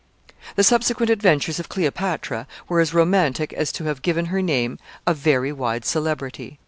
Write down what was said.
] The subsequent adventures of Cleopatra were as romantic as to have given her name a very wide celebrity.